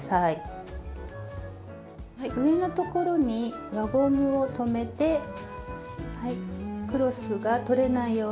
上のところに輪ゴムを留めてクロスが取れないように仮留めします。